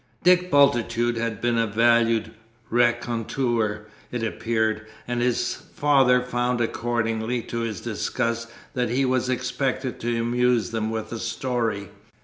Dick Bultitude had been a valued raconteur, it appeared, and his father found accordingly, to his disgust, that he was expected to amuse them with a story.